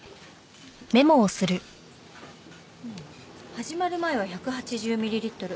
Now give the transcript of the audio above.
始まる前は１８０ミリリットル。